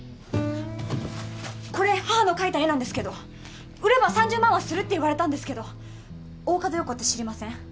これ母の描いた絵なんですけど売れば３０万はするって言われたんですけど大加戸葉子って知りません？